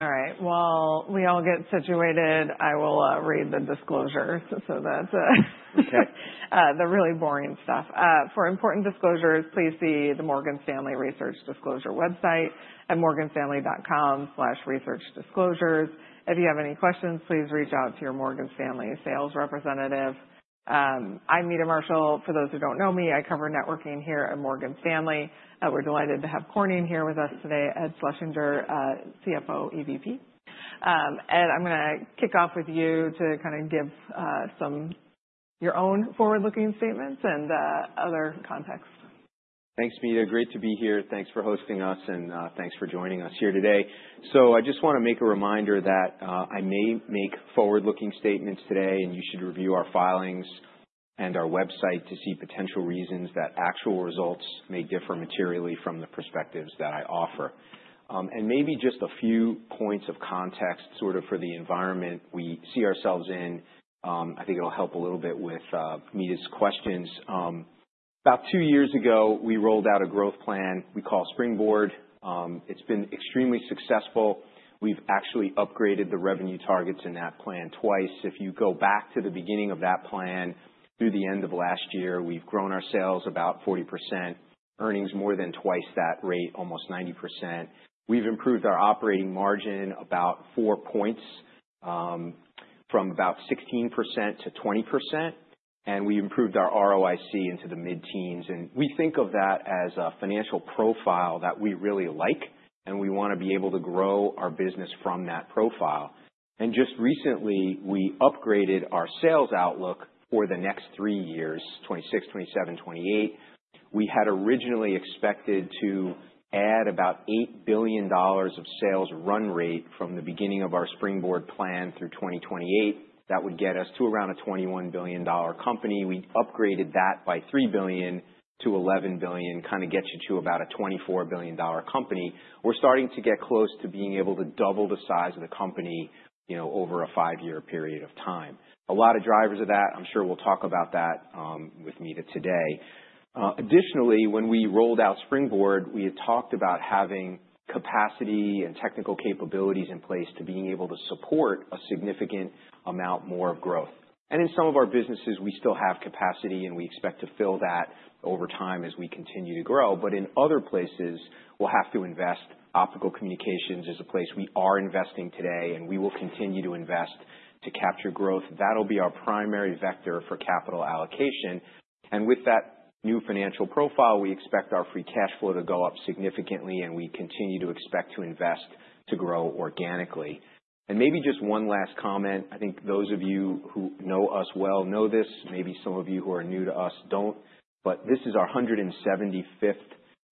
All right. While we all get situated, I will read the disclosures so that the really boring stuff. For important disclosures, please see the Morgan Stanley Research Disclosure website at morganstanley.com/researchdisclosures. If you have any questions, please reach out to your Morgan Stanley sales representative. I'm Meta Marshall, for those who don't know me, I cover networking here at Morgan Stanley, and we're delighted to have Corning here with us today, Ed Schlesinger, CFO, EVP. Ed, I'm gonna kick off with you to kinda give your own forward-looking statements and other context. Thanks, Meta. Great to be here. Thanks for hosting us, thanks for joining us here today. I just wanna make a reminder that I may make forward-looking statements today, and you should review our filings and our website to see potential reasons that actual results may differ materially from the perspectives that I offer. Maybe just a few points of context sort of for the environment we see ourselves in. I think it'll help a little bit with Meta's questions. About two years ago, we rolled out a growth plan we call Springboard. It's been extremely successful. We've actually upgraded the revenue targets in that plan twice. If you go back to the beginning of that plan through the end of last year, we've grown our sales about 40%, earnings more than twice that rate, almost 90%. We've improved our operating margin about 4 points, from about 16% to 20%, and we improved our ROIC into the mid-teens. We think of that as a financial profile that we really like, and we wanna be able to grow our business from that profile. Just recently, we upgraded our sales outlook for the next 3 years, 2026, 2027, 2028. We had originally expected to add about $8 billion of sales run rate from the beginning of our Springboard plan through 2028. That would get us to around a $21 billion company. We upgraded that by $3 billion to $11 billion, kinda gets you to about a $24 billion company. We're starting to get close to being able to double the size of the company, you know, over a 5-year period of time. A lot of drivers of that, I'm sure we'll talk about that with Meta today. Additionally, when we rolled out Springboard, we had talked about having capacity and technical capabilities in place to being able to support a significant amount more of growth. In some of our businesses, we still have capacity, and we expect to fill that over time as we continue to grow. But in other places, we'll have to invest. Optical communications is a place we are investing today, and we will continue to invest to capture growth. That'll be our primary vector for capital allocation. With that new financial profile, we expect our free cash flow to go up significantly, and we continue to expect to invest to grow organically. Maybe just one last comment. I think those of you who know us well know this, maybe some of you who are new to us don't, but this is our 175th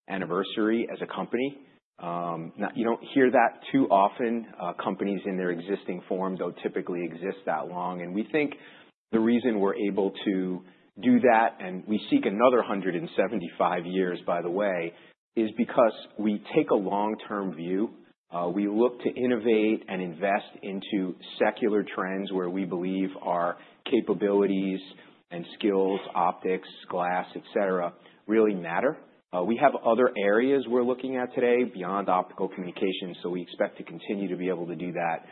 anniversary as a company. Now you don't hear that too often, companies in their existing form don't typically exist that long. We think the reason we're able to do that, and we seek another 175 years, by the way, is because we take a long-term view. We look to innovate and invest into secular trends where we believe our capabilities and skills, optics, glass, et cetera, really matter. We have other areas we're looking at today beyond optical communications, we expect to continue to be able to do that.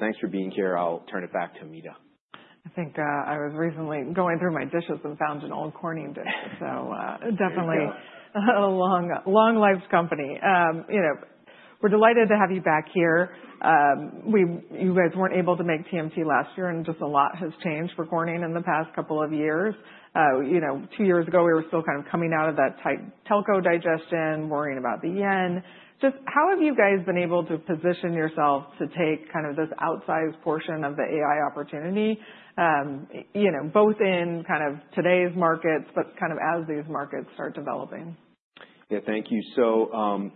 Thanks for being here. I'll turn it back to Meta. I think, I was recently going through my dishes and found an old Corning dish. Definitely. There you go. A long, long-lived company. You know, we're delighted to have you back here. You guys weren't able to make TMC last year, and just a lot has changed for Corning in the past couple of years. You know, two years ago, we were still kind of coming out of that tight telco digestion, worrying about the yen. Just how have you guys been able to position yourself to take kind of this outsized portion of the AI opportunity, you know, both in kind of today's markets, but kind of as these markets start developing? Thank you.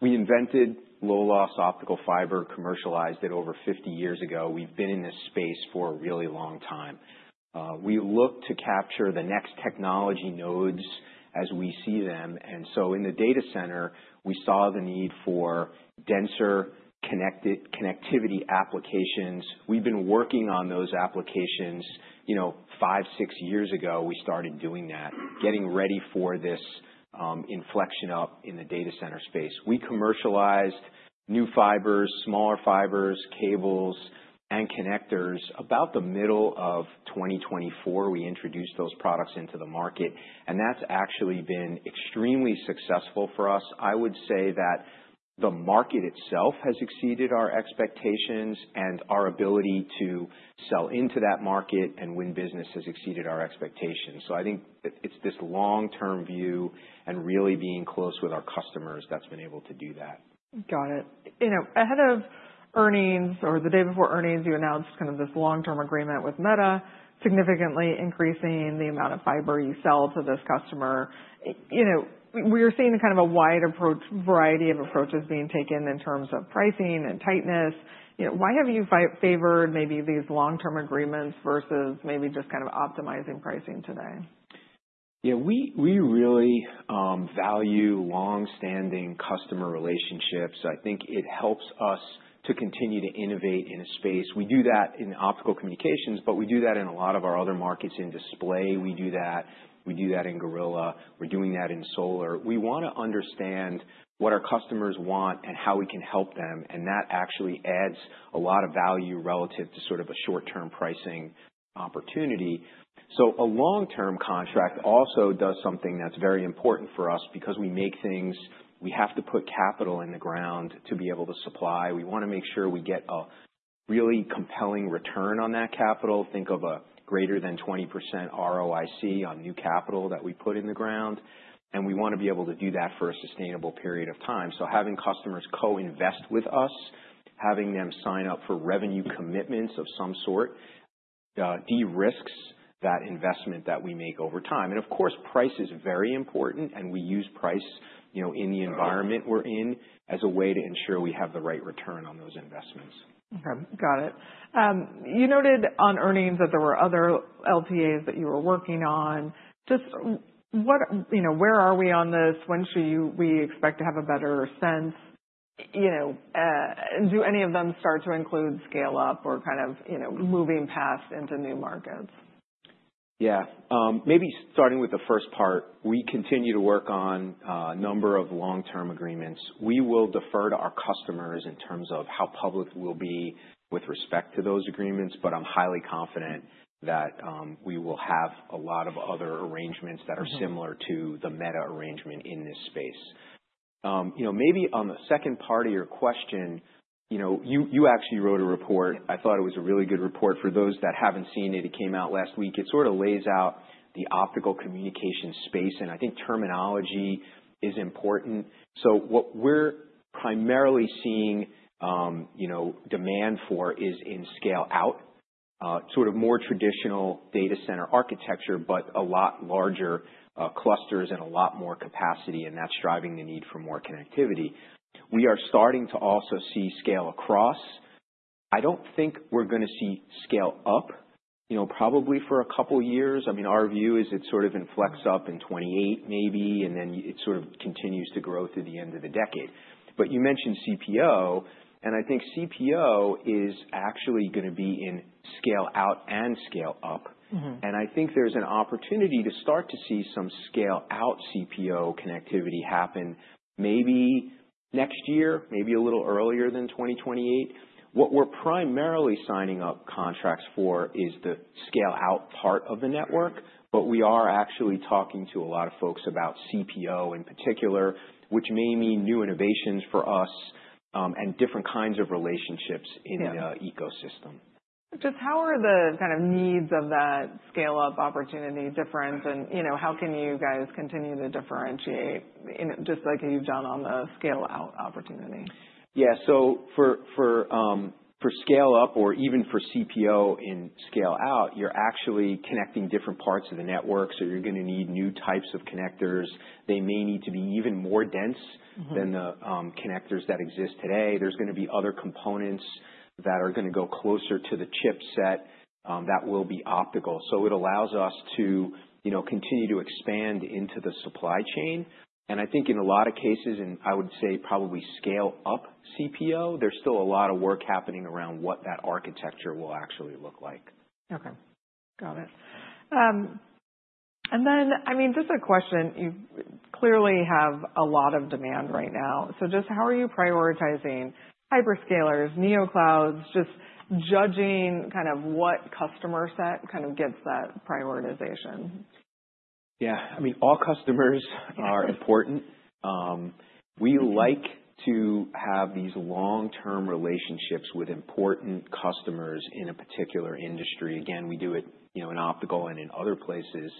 We invented low-loss optical fiber, commercialized it over 50 years ago. We've been in this space for a really long time. We look to capture the next technology nodes as we see them. In the data center, we saw the need for denser connectivity applications. We've been working on those applications, you know, 5 years, 6 years ago, we started doing that, getting ready for this inflection up in the data center space. We commercialized new fibers, smaller fibers, cables, and connectors. About the middle of 2024, we introduced those products into the market, and that's actually been extremely successful for us. I would say that the market itself has exceeded our expectations and our ability to sell into that market and win business has exceeded our expectations. I think it's this long-term view and really being close with our customers that's been able to do that. Got it. You know, ahead of earnings or the day before earnings, you announced kind of this long-term agreement with Meta, significantly increasing the amount of fiber you sell to this customer. You know, we are seeing kind of a wide variety of approaches being taken in terms of pricing and tightness. You know, why have you favored maybe these long-term agreements versus maybe just kind of optimizing pricing today? We really value long-standing customer relationships. I think it helps us to continue to innovate in a space. We do that in optical communications, but we do that in a lot of our other markets. In display, we do that, we do that in Gorilla, we're doing that in solar. We want to understand what our customers want and how we can help them, and that actually adds a lot of value relative to sort of a short-term pricing opportunity. A long-term contract also does something that's very important for us because we make things, we have to put capital in the ground to be able to supply. We want to make sure we get a really compelling return on that capital. Think of a greater than 20% ROIC on new capital that we put in the ground, and we wanna be able to do that for a sustainable period of time. Having customers co-invest with us, having them sign up for revenue commitments of some sort, de-risks that investment that we make over time. Of course, price is very important, and we use price, you know, in the environment we're in as a way to ensure we have the right return on those investments. Okay. Got it. You noted on earnings that there were other LTAs that you were working on. What, you know, where are we on this? When should we expect to have a better sense? You know, do any of them start to include scale up or kind of, you know, moving past into new markets? Yeah. Maybe starting with the first part, we continue to work on a number of long-term agreements. We will defer to our customers in terms of how public we'll be with respect to those agreements, but I'm highly confident that we will have a lot of other arrangements that are similar to the Meta arrangement in this space. You know, maybe on the second part of your question, you know, you actually wrote a report. I thought it was a really good report. For those that haven't seen it came out last week. It sort of lays out the optical communication space, and I think terminology is important. What we're primarily seeing, you know, demand for is in scale out, sort of more traditional data center architecture, but a lot larger clusters and a lot more capacity, and that's driving the need for more connectivity. We are starting to also see scale across. I don't think we're gonna see scale up, you know, probably for a couple years. I mean, our view is it sort of inflex up in 2028 maybe, and then it sort of continues to grow through the end of the decade. You mentioned CPO, and I think CPO is actually gonna be in scale out and scale up. Mm-hmm. I think there's an opportunity to start to see some scale out CPO connectivity happen maybe next year, maybe a little earlier than 2028. What we're primarily signing up contracts for is the scale out part of the network, but we are actually talking to a lot of folks about CPO in particular, which may mean new innovations for us, and different kinds of relationships in the ecosystem. Just how are the kind of needs of that scale up opportunity different and, you know, how can you guys continue to differentiate just like you've done on the scale out opportunity? For scale up or even for CPO in scale out, you're actually connecting different parts of the network, so you're gonna need new types of connectors. They may need to be even more dense. Mm-hmm. -than the connectors that exist today. There's gonna be other components that are gonna go closer to the chipset that will be optical. It allows us to, you know, continue to expand into the supply chain. I think in a lot of cases, and I would say probably scale up CPO, there's still a lot of work happening around what that architecture will actually look like. Okay. Got it. I mean, just a question, you clearly have a lot of demand right now. Just how are you prioritizing hyperscalers, Neoclouds, just judging kind of what customer set kind of gets that prioritization? Yeah. I mean, all customers are important. We like to have these long-term relationships with important customers in a particular industry. Again, we do it, you know, in optical and in other places.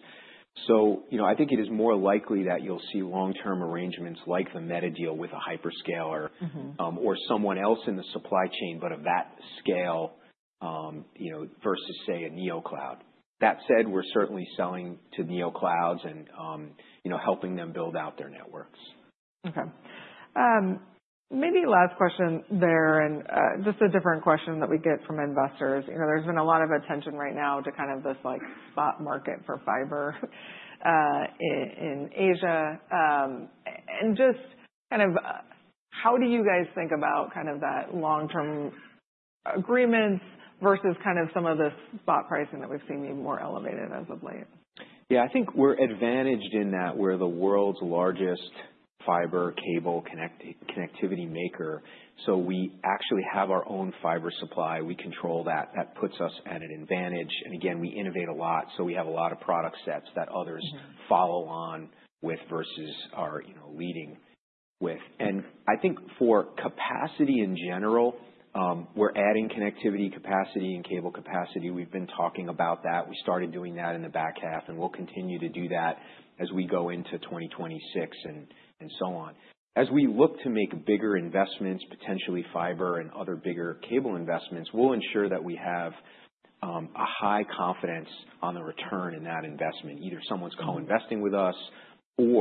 You know, I think it is more likely that you'll see long-term arrangements like the Meta deal with a hyperscaler. Mm-hmm. ...or someone else in the supply chain, but of that scale, you know, versus say, a Neocloud. That said, we're certainly selling to Neoclouds and, you know, helping them build out their networks. Okay. Maybe last question there and, just a different question that we get from investors. You know, there's been a lot of attention right now to kind of this, like, spot market for fiber, in Asia. Just kind of, how do you guys think about kind of that long-term agreements versus kind of some of the spot pricing that we've seen be more elevated as of late? Yeah. I think we're advantaged in that we're the world's largest fiber cable connectivity maker. We actually have our own fiber supply. We control that. That puts us at an advantage. Again, we innovate a lot, so we have a lot of product sets that others follow on with versus are, you know, leading with. I think for capacity in general, we're adding connectivity capacity and cable capacity. We've been talking about that. We started doing that in the back half, and we'll continue to do that as we go into 2026 and so on. As we look to make bigger investments, potentially fiber and other bigger cable investments, we'll ensure that we have a high confidence on the return in that investment. Either someone's co-investing with us. You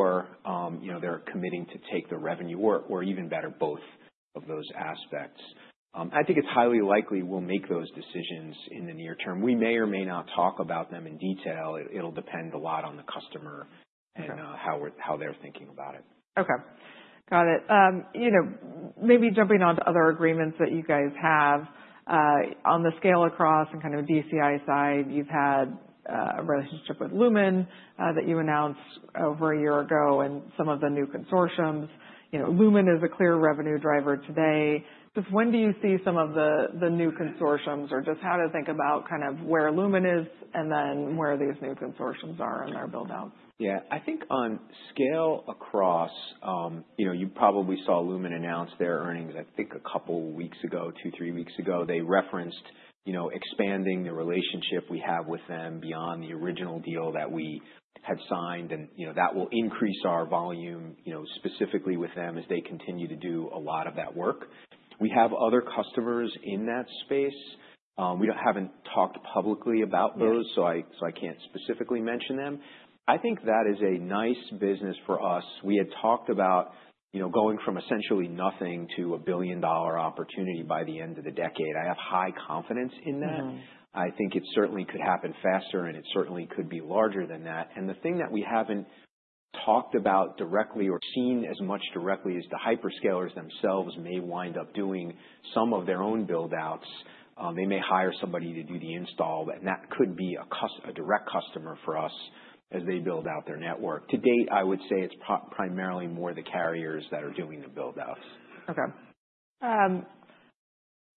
know, they're committing to take the revenue, or even better, both of those aspects. I think it's highly likely we'll make those decisions in the near term. We may or may not talk about them in detail. It'll depend a lot on the customer. Okay. How they're thinking about it. Okay. Got it. You know, maybe jumping on to other agreements that you guys have, on the scale across and kind of DCI side, you've had a relationship with Lumen, that you announced over 1 year ago and some of the new consortiums. You know, Lumen is a clear revenue driver today. Just when do you see some of the new consortiums, or just how to think about kind of where Lumen is and then where these new consortiums are in their build-out? Yeah. I think on scale across, you know, you probably saw Lumen announce their earnings, I think, a couple weeks ago, two, three weeks ago. They referenced, you know, expanding the relationship we have with them beyond the original deal that we had signed. You know, that will increase our volume, you know, specifically with them as they continue to do a lot of that work. We have other customers in that space. We haven't talked publicly about those. Yeah. I can't specifically mention them. I think that is a nice business for us. We had talked about, you know, going from essentially nothing to a billion-dollar opportunity by the end of the decade. I have high confidence in that. Mm-hmm. I think it certainly could happen faster, and it certainly could be larger than that. The thing that we haven't talked about directly or seen as much directly is the hyperscalers themselves may wind up doing some of their own build-outs. They may hire somebody to do the install, but that could be a direct customer for us as they build out their network. To date, I would say it's primarily more the carriers that are doing the build-outs. Okay.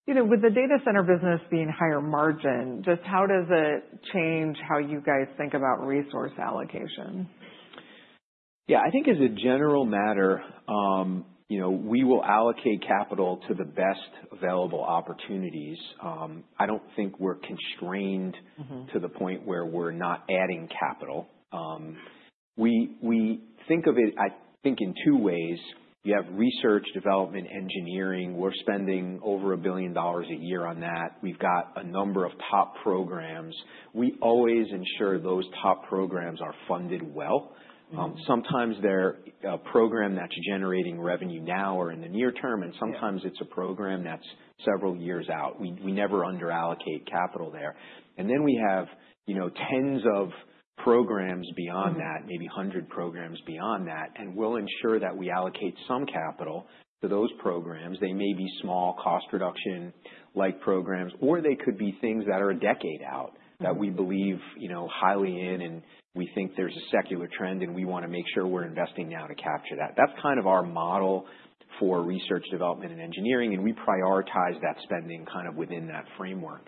you know, with the data center business being higher margin, just how does it change how you guys think about resource allocation? Yeah. I think as a general matter, you know, we will allocate capital to the best available opportunities. I don't think we're constrained- Mm-hmm. ...to the point where we're not adding capital. We, we think of it, I think, in two ways. You have research, development, engineering. We're spending over $1 billion a year on that. We've got a number of top programs. We always ensure those top programs are funded well. Mm-hmm. Sometimes they're a program that's generating revenue now or in the near term. Yeah. Sometimes it's a program that's several years out. We never under allocate capital there. Then we have, you know, tens of programs beyond that. Mm-hmm. Maybe 100 programs beyond that. We'll ensure that we allocate some capital to those programs. They may be small cost reduction like programs, or they could be things that are a decade out- Mm-hmm. ...that we believe, you know, highly in, and we think there's a secular trend, and we wanna make sure we're investing now to capture that. That's kind of our model for research, development, and engineering, and we prioritize that spending kind of within that framework.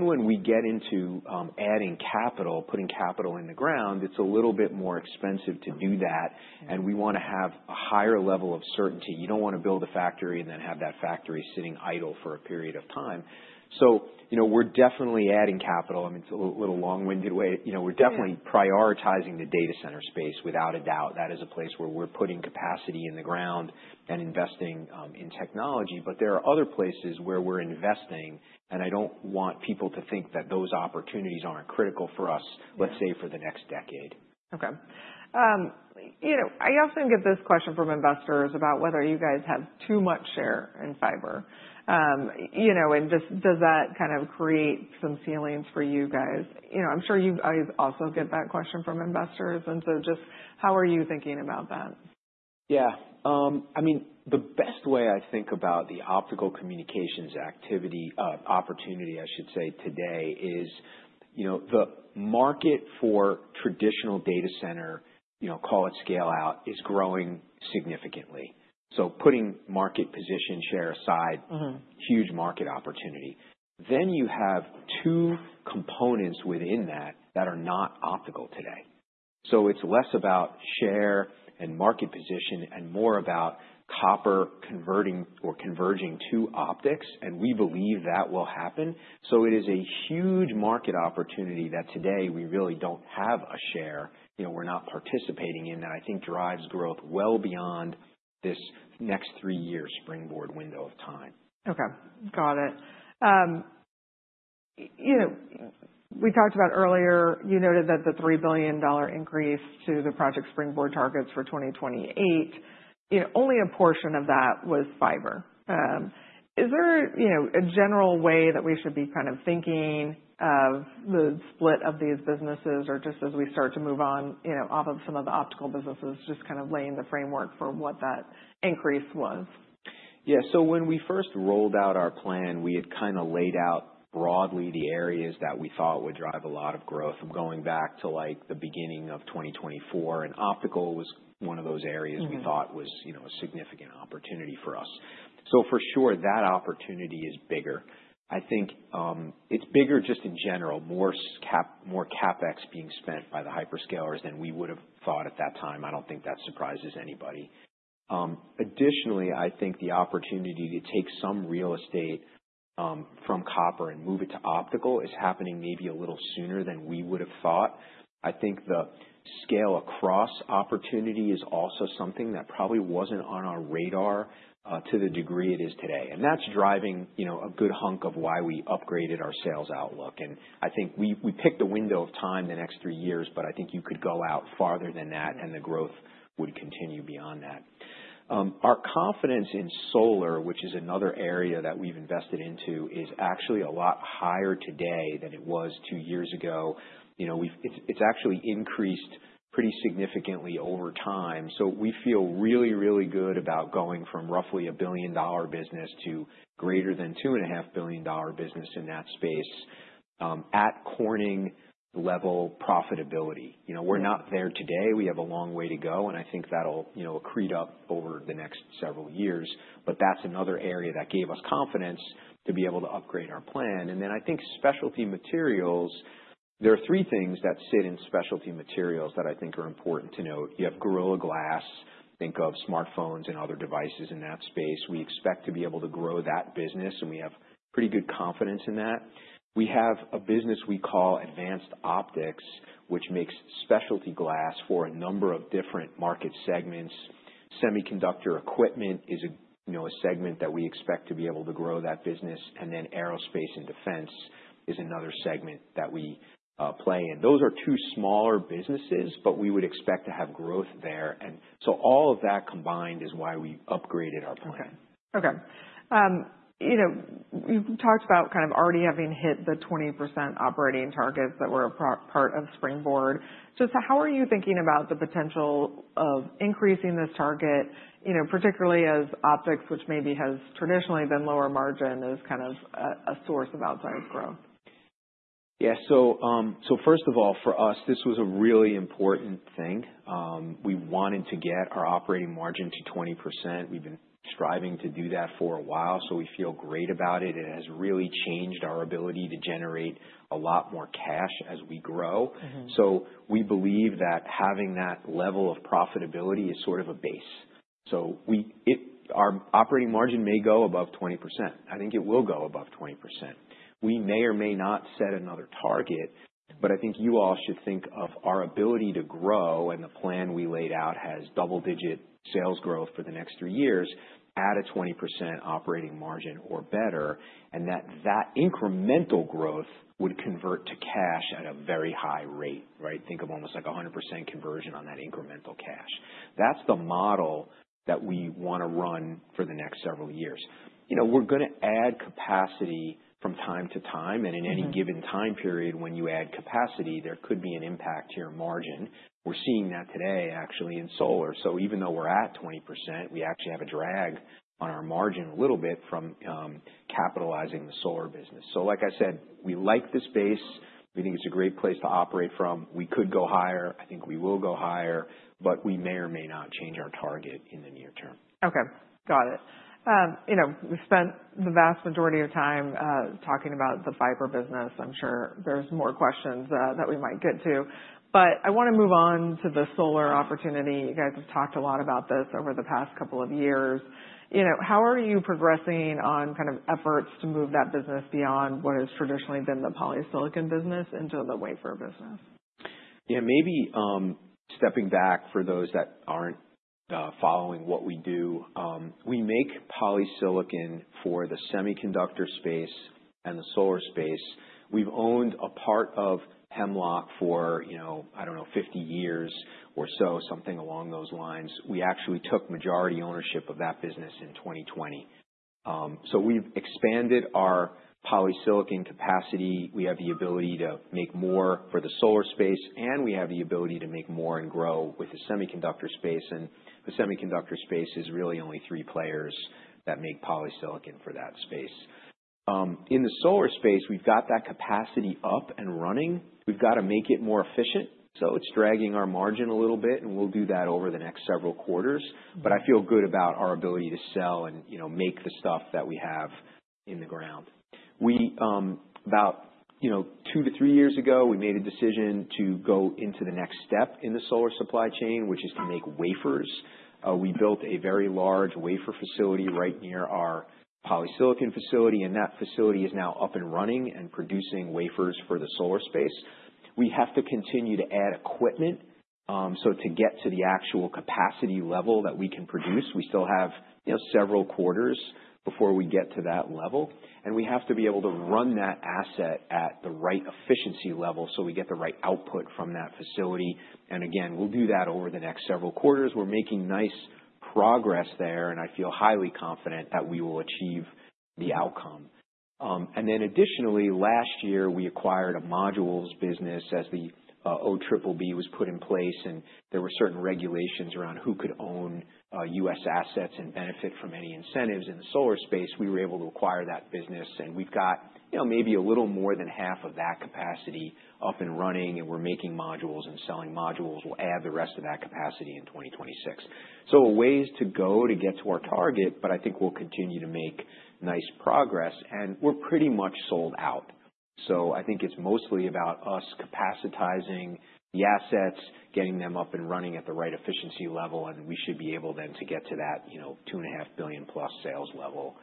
When we get into, adding capital, putting capital in the ground, it's a little bit more expensive to do that. Yeah. We wanna have a higher level of certainty. You don't wanna build a factory and then have that factory sitting idle for a period of time. You know, we're definitely adding capital. I mean, it's a little long-winded way. Yeah. Prioritizing the data center space without a doubt. That is a place where we're putting capacity in the ground and investing in technology. There are other places where we're investing. I don't want people to think that those opportunities aren't critical for us. Yeah. Let's say, for the next decade. Okay. you know, I often get this question from investors about whether you guys have too much share in fiber. you know, does that kind of create some feelings for you guys? You know, I'm sure you guys also get that question from investors. Just how are you thinking about that? Yeah. I mean, the best way I think about the optical communications activity, opportunity, I should say, today is, you know, the market for traditional data center, you know, call it scale out, is growing significantly. Putting market position share aside- Mm-hmm. ...huge market opportunity. You have two components within that are not optical today. It's less about share and market position and more about copper converting or converging to optics, and we believe that will happen. It is a huge market opportunity that today we really don't have a share, you know, we're not participating in, that I think drives growth well beyond this next three-year Springboard window of time. Okay. Got it. You know, we talked about earlier, you noted that the $3 billion increase to the Project Springboard targets for 2028, you know, only a portion of that was fiber. Is there, you know, a general way that we should be kind of thinking of the split of these businesses? Or just as we start to move on, you know, off of some of the optical businesses, just kind of laying the framework for what that increase was. Yeah. When we first rolled out our plan, we had kinda laid out broadly the areas that we thought would drive a lot of growth going back to, like, the beginning of 2024, and optical was one of those areas- Mm-hmm. ...we thought was, you know, a significant opportunity for us. For sure that opportunity is bigger. I think it's bigger just in general, more CapEx being spent by the hyperscalers than we would've thought at that time. I don't think that surprises anybody. Additionally, I think the opportunity to take some real estate from copper and move it to optical is happening maybe a little sooner than we would've thought. I think the scale across opportunity is also something that probably wasn't on our radar to the degree it is today. That's driving, you know, a good hunk of why we upgraded our sales outlook, and I think we picked a window of time the next three years, but I think you could go out farther than that, and the growth would continue beyond that. Our confidence in solar, which is another area that we've invested into, is actually a lot higher today than it was two years ago. You know, it's actually increased pretty significantly over time. We feel really, really good about going from roughly a billion-dollar business to greater than $2.5 billion business in that space, at Corning level profitability. You know, we're not there today. We have a long way to go, and I think that'll, you know, accrete up over the next several years. That's another area that gave us confidence to be able to upgrade our plan. Then I think Specialty Materials, there are three things that sit in Specialty Materials that I think are important to note. You have Gorilla Glass, think of smartphones and other devices in that space. We expect to be able to grow that business, and we have pretty good confidence in that. We have a business we call Advanced Optics, which makes specialty glass for a number of different market segments. Semiconductor equipment is a, you know, a segment that we expect to be able to grow that business. Then Aerospace and Defense is another segment that we play in. Those are two smaller businesses, but we would expect to have growth there. So all of that combined is why we upgraded our plan. Okay. Okay. you know, you've talked about kind of already having hit the 20% operating targets that were a part of Springboard. How are you thinking about the potential of increasing this target, you know, particularly as Optics, which maybe has traditionally been lower margin, is kind of a source of outside growth? First of all, for us, this was a really important thing. We wanted to get our operating margin to 20%. We've been striving to do that for a while, so we feel great about it. It has really changed our ability to generate a lot more cash as we grow. Mm-hmm. We believe that having that level of profitability is sort of a base. Our operating margin may go above 20%. I think it will go above 20%. We may or may not set another target. I think you all should think of our ability to grow, and the plan we laid out has double-digit sales growth for the next 3 years at a 20% operating margin or better, and that incremental growth would convert to cash at a very high rate, right? Think of almost like a 100% conversion on that incremental cash. That's the model that we wanna run for the next several years. You know, we're gonna add capacity from time to time. Mm-hmm. In any given time period, when you add capacity, there could be an impact to your margin. We're seeing that today actually in solar. Even though we're at 20%, we actually have a drag on our margin a little bit from capitalizing the solar business. Like I said, we like the space. We think it's a great place to operate from. We could go higher. I think we will go higher, but we may or may not change our target in the near term. Okay, got it. You know, we've spent the vast majority of time talking about the fiber business. I'm sure there's more questions that we might get to, but I wanna move on to the solar opportunity. You guys have talked a lot about this over the past 2 years. You know, how are you progressing on kind of efforts to move that business beyond what has traditionally been the polysilicon business into the wafer business? Yeah, maybe, stepping back for those that aren't following what we do, we make polysilicon for the semiconductor space and the solar space. We've owned a part of Hemlock for, you know, I don't know, 50 years or so, something along those lines. We actually took majority ownership of that business in 2020. We've expanded our polysilicon capacity. We have the ability to make more for the solar space, and we have the ability to make more and grow with the semiconductor space. The semiconductor space is really only three players that make polysilicon for that space. In the solar space, we've got that capacity up and running. We've got to make it more efficient, so it's dragging our margin a little bit, and we'll do that over the next several quarters. I feel good about our ability to sell and, you know, make the stuff that we have in the ground. We, about, you know, 2 to 3 years ago, we made a decision to go into the next step in the solar supply chain, which is to make wafers. We built a very large wafer facility right near our polysilicon facility, and that facility is now up and running and producing wafers for the solar space. We have to continue to add equipment, so to get to the actual capacity level that we can produce. We still have, you know, several quarters before we get to that level, and we have to be able to run that asset at the right efficiency level, so we get the right output from that facility. Again, we'll do that over the next several quarters. We're making nice progress there, and I feel highly confident that we will achieve the outcome. Additionally, last year, we acquired a modules business as the O triple B was put in place, and there were certain regulations around who could own U.S. assets and benefit from any incentives in the solar space. We were able to acquire that business, and we've got, you know, maybe a little more than half of that capacity up and running, and we're making modules and selling modules. We'll add the rest of that capacity in 2026. A ways to go to get to our target, but I think we'll continue to make nice progress, and we're pretty much sold out. I think it's mostly about us capacitizing the assets, getting them up and running at the right efficiency level, and we should be able then to get to that, you know, $2.5 billion plus sales level.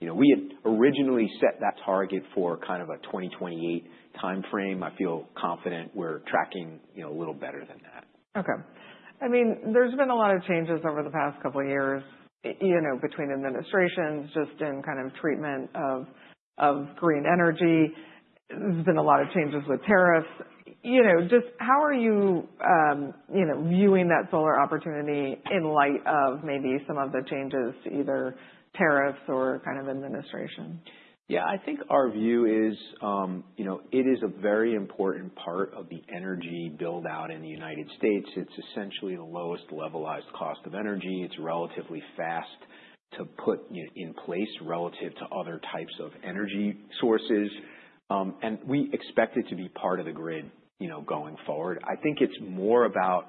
You know, we had originally set that target for kind of a 2028 timeframe. I feel confident we're tracking, you know, a little better than that. Okay. I mean, there's been a lot of changes over the past couple of years, you know, between administrations just in kind of treatment of green energy. There's been a lot of changes with tariffs. You know, just how are you know, viewing that solar opportunity in light of maybe some of the changes to either tariffs or kind of administration? Yeah. I think our view is, you know, it is a very important part of the energy build-out in the United States. It's essentially the lowest levelized cost of energy. It's relatively fast to put in place relative to other types of energy sources. We expect it to be part of the grid, you know, going forward. I think it's more about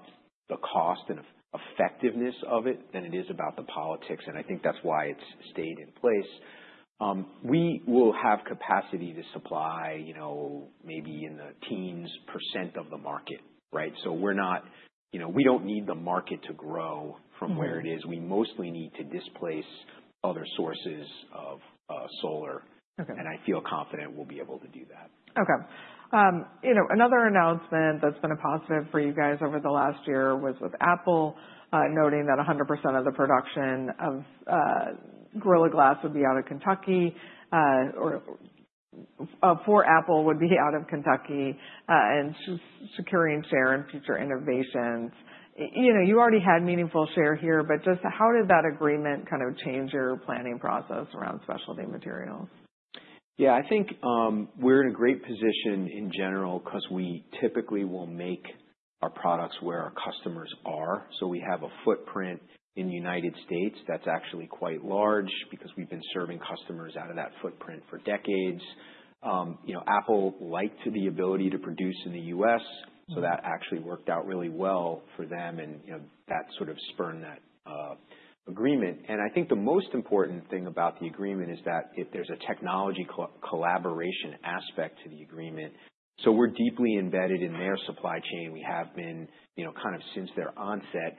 the cost and effectiveness of it than it is about the politics, and I think that's why it's stayed in place. We will have capacity to supply, you know, maybe in the teens percent of the market, right? We're not, you know, we don't need the market to grow from where it is. We mostly need to displace other sources of solar. Okay. I feel confident we'll be able to do that. Okay. You know, another announcement that's been a positive for you guys over the last year was with Apple, noting that 100% of the production of Gorilla Glass would be out of Kentucky, or for Apple would be out of Kentucky, and securing share in future innovations. You know, you already had meaningful share here, but just how did that agreement kind of change your planning process around specialty materials? Yeah. I think, we're in a great position in general because we typically will make our products where our customers are. We have a footprint in the United States that's actually quite large because we've been serving customers out of that footprint for decades. You know, Apple liked the ability to produce in the U.S., so that actually worked out really well for them and, you know, that sort of spurned that agreement. I think the most important thing about the agreement is that if there's a technology co-collaboration aspect to the agreement, so we're deeply embedded in their supply chain. We have been, you know, kind of since their onset.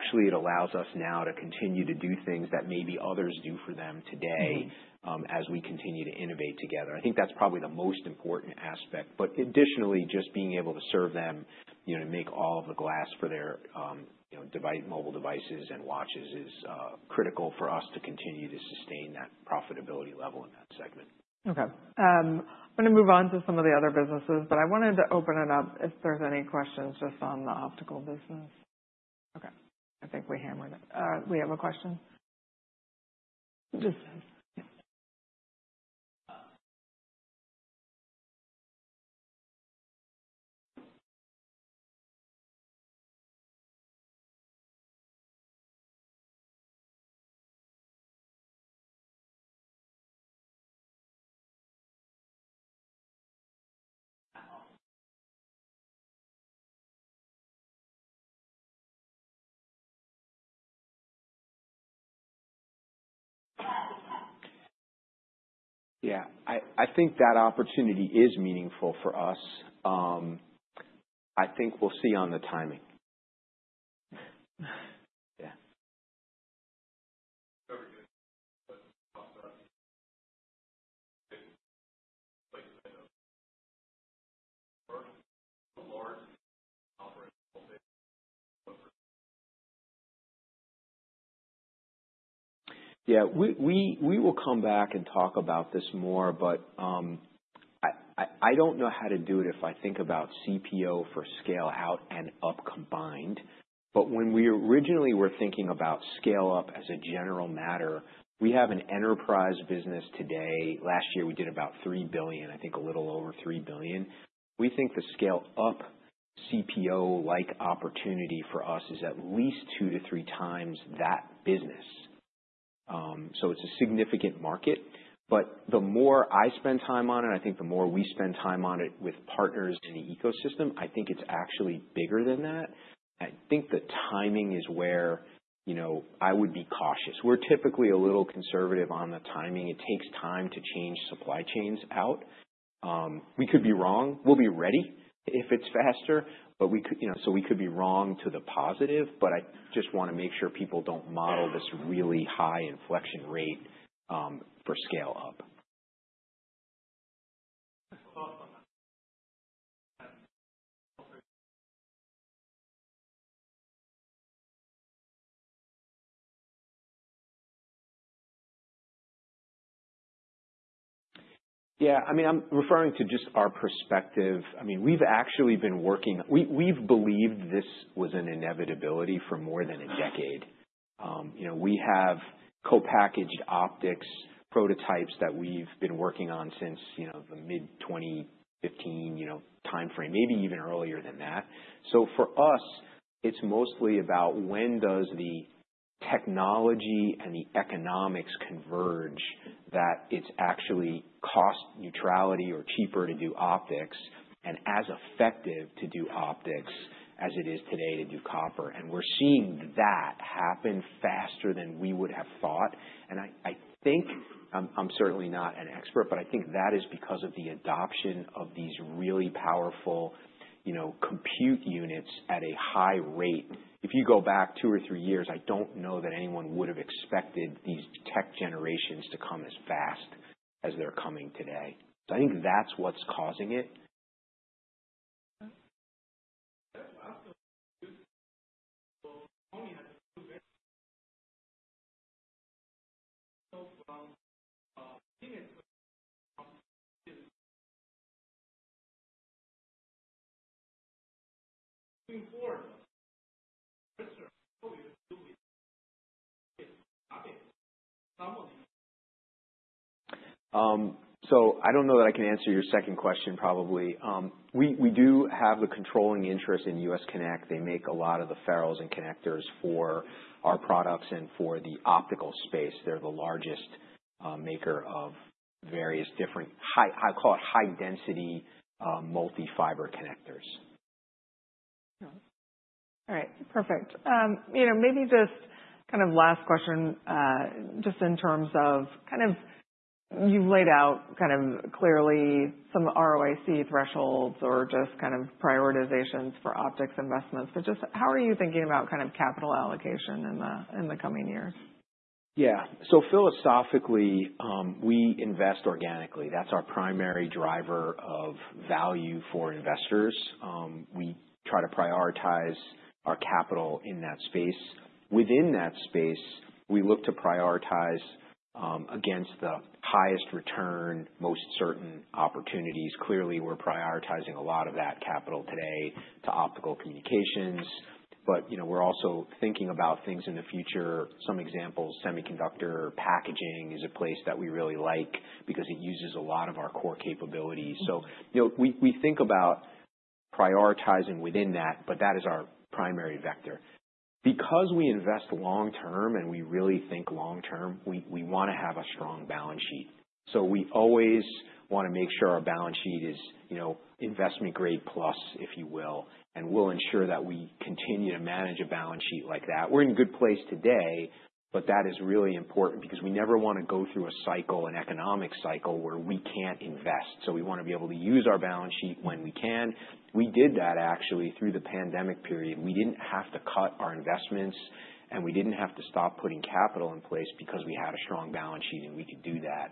Actually it allows us now to continue to do things that maybe others do for them today, as we continue to innovate together. I think that's probably the most important aspect. Additionally, just being able to serve them, you know, make all of the glass for their, you know, mobile devices and watches is critical for us to continue to sustain that profitability level in that segment. Okay. I'm gonna move on to some of the other businesses, but I wanted to open it up if there's any questions just on the optical business. I think we hammered it. We have a question. I think that opportunity is meaningful for us. I think we'll see on the timing. Yeah. Yeah. We will come back and talk about this more, but I don't know how to do it if I think about CPO for scale out and up combined. When we originally were thinking about scale up as a general matter, we have an enterprise business today. Last year, we did about $3 billion, I think a little over $3 billion. We think the scale up CPO-like opportunity for us is at least 2 to 3 times that business. So it's a significant market. The more I spend time on it, I think the more we spend time on it with partners in the ecosystem, I think it's actually bigger than that. I think the timing is where, you know, I would be cautious. We're typically a little conservative on the timing. It takes time to change supply chains out. We could be wrong. We'll be ready if it's faster, but we could, you know, so we could be wrong to the positive, but I just wanna make sure people don't model this really high inflection rate for scale up. I mean, I'm referring to just our perspective. I mean, we've actually been working... We've believed this was an inevitability for more than a decade. You know, we have Co-Packaged Optics prototypes that we've been working on since, you know, the mid-2015, you know, timeframe, maybe even earlier than that. For us, it's mostly about when does the technology and the economics converge that it's actually cost neutrality or cheaper to do optics and as effective to do optics as it is today to do copper. We're seeing that happen faster than we would have thought. I think I'm certainly not an expert, but I think that is because of the adoption of these really powerful, you know, compute units at a high rate. If you go back 2 years or 3 years, I don't know that anyone would have expected these tech generations to come as fast as they're coming today. I think that's what's causing it. I don't know that I can answer your second question, probably. We do have the controlling interest in US Conec. They make a lot of the ferrules and connectors for our products and for the optical space. They're the largest, maker of various different high, I call it high density, multi-fiber connectors. All right. Perfect. You know, maybe just kind of last question, just in terms of kind of you've laid out kind of clearly some ROIC thresholds or just kind of prioritizations for optics investments, but just how are you thinking about kind of capital allocation in the coming years? Philosophically, we invest organically. That's our primary driver of value for investors. We try to prioritize our capital in that space. Within that space, we look to prioritize against the highest return, most certain opportunities. Clearly, we're prioritizing a lot of that capital today to optical communications, but, you know, we're also thinking about things in the future. Some examples, semiconductor packaging is a place that we really like because it uses a lot of our core capabilities. You know, we think about prioritizing within that, but that is our primary vector. We invest long-term and we really think long-term, we wanna have a strong balance sheet. We always wanna make sure our balance sheet is, you know, investment grade plus, if you will, and we'll ensure that we continue to manage a balance sheet like that. We're in a good place today, that is really important because we never wanna go through a cycle, an economic cycle, where we can't invest. We wanna be able to use our balance sheet when we can. We did that actually through the pandemic period. We didn't have to cut our investments, we didn't have to stop putting capital in place because we had a strong balance sheet and we could do that.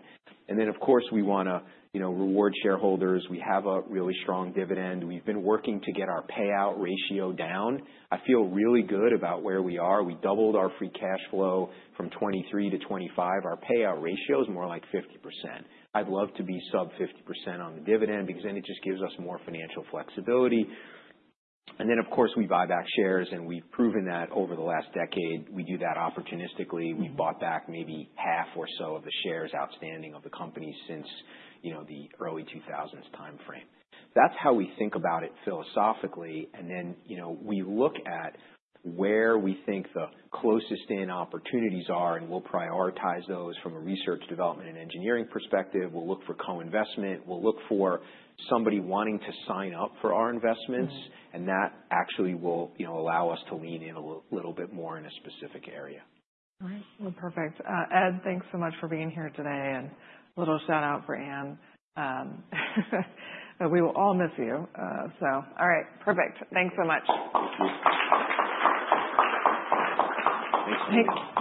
Of course, we wanna, you know, reward shareholders. We have a really strong dividend. We've been working to get our payout ratio down. I feel really good about where we are. We doubled our free cash flow from 2023 to 2025. Our payout ratio is more like 50%. I'd love to be sub 50% on the dividend because then it just gives us more financial flexibility. Then, of course, we buy back shares, and we've proven that over the last decade. We do that opportunistically. We bought back maybe half or so of the shares outstanding of the company since, you know, the early 2000s timeframe. That's how we think about it philosophically. Then, you know, we look at where we think the closest in opportunities are, and we'll prioritize those from a research development and engineering perspective. We'll look for co-investment. We'll look for somebody wanting to sign up for our investments, and that actually will, you know, allow us to lean in a little bit more in a specific area. All right. Well, perfect. Ed, thanks so much for being here today. A little shout out for Anne, we will all miss you. All right, perfect. Thanks so much. Thanks.